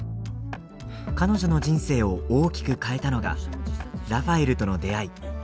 彼女の人生を大きく変えたのがラファエルとの出会い。